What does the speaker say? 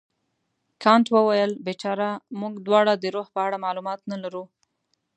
کانت وویل بیچاره موږ دواړه د روح په اړه معلومات نه لرو.